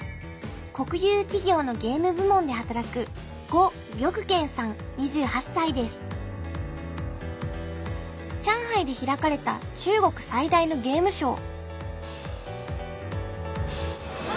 国有企業のゲーム部門で働く上海で開かれた中国最大のゲームショー。